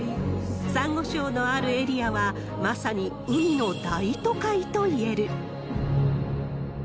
サンゴ礁のあるエリアは、まさに海の大都会といえる。